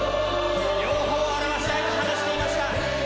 両方表したいと話していました。